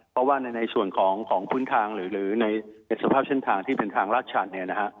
เพราะว่าในส่วนของพื้นทางหรือในสภาพเส้นทางที่เป็นทางลาดชันเนี่ยนะฮะ